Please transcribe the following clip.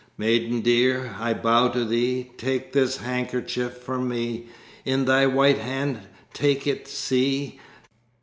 "Maiden dear, I bow to thee! Take this handkerchief from me. In thy white hand take it, see!